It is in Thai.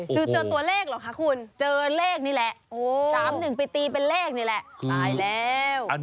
เจอตัวเลขหรอคะคุณ